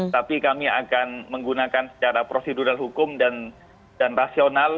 tapi kami akan menggunakan secara prosedural hukum dan rasional